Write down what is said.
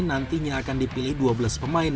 nantinya akan dipilih dua belas pemain